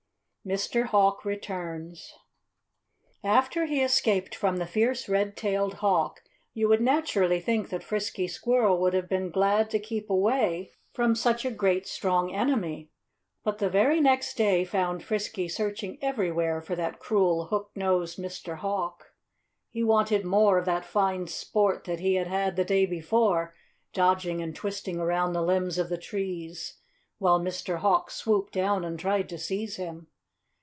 VI Mr. Hawk Returns After he escaped from the fierce red tailed hawk you would naturally think that Frisky Squirrel would have been glad to keep away from such a great, strong enemy. But the very next day found Frisky searching everywhere for that cruel, hook nosed Mr. Hawk. He wanted more of that fine sport that he had had the day before, dodging and twisting around the limbs of the trees, while Mr. Hawk swooped down and tried to seize him.